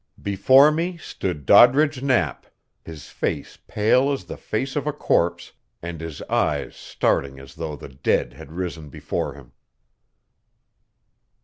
Before me stood Doddridge Knapp, his face pale as the face of a corpse, and his eyes starting as though the dead had risen before him.